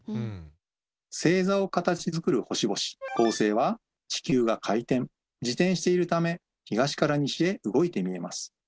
星座を形づくる星々恒星は地球が回転自転しているため東から西へ動いて見えます。